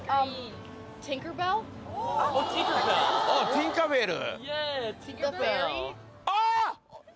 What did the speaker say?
ティンカー・ベル？